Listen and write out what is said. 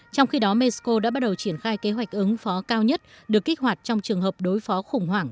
trong khi đó mexico đã bắt đầu triển khai kế hoạch ứng phó cao nhất được kích hoạt trong trường hợp đối phó khủng hoảng